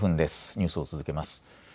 ニュースを続けます。